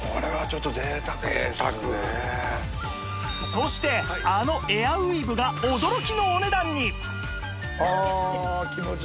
そしてあのエアウィーヴが驚きのお値段に！